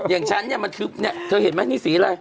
อย่างฉันเนี่ยมันทึบเนี่ยเธอเห็นไหมนี่สีอะไร